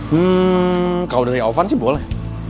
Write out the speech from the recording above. hmm kalo dari alvan sih boleh